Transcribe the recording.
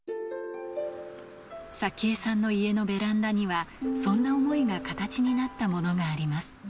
早紀江さんの家のベランダには、そんな思いが形になったものがあります。